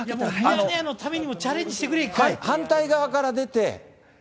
ミヤネ屋のためにもチャレンジしてくれ、反対側から出て。